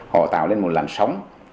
họ tạo lên một làn sóng